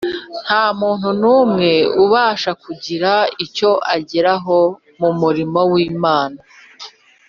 nta muntu n’umwe ubasha kugira icyo ageraho mu murimo w’imana